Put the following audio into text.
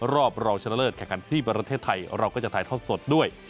รอบรองชนะเลิศแข่งขันที่ประเทศไทยเราก็จะถ่ายทอดสดด้วย